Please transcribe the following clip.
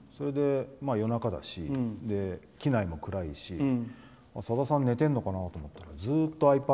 夜中だし、機内も暗いしさださん寝てんのかなと思ったらずーっとｉＰａｄで。